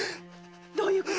どういう事！？